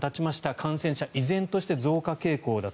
感染者依然として増加傾向だと。